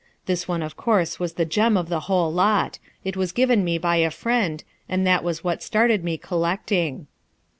This one of course was the gem of the whole lot; it was given me by a friend, and that was what started me collecting.